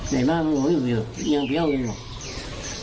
ในบ้านมันอยู่ยังเปรี้ยวอยู่